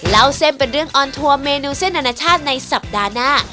เล่าเส้นเป็นเรื่องออนทัวร์เมนูเส้นอนาชาติในสัปดาห์หน้า